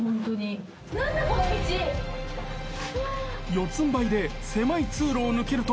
［四つんばいで狭い通路を抜けると］